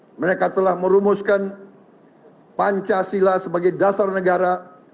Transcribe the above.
dan mereka telah merumuskan pancasila sebagai dasar negara